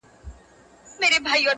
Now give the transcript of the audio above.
هغه په هره بده پېښه کي بدنام سي ربه _